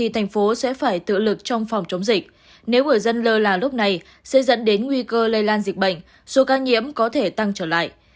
tự lực trong phòng chống dịch nếu người dân lơ là lúc này sẽ dẫn đến nguy cơ lây lan dịch bệnh số ca nhiễm có thể tăng trở lại